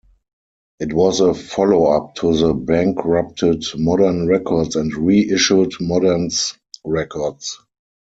It was a follow-up to the bankrupted Modern Records and reissued Modern's records.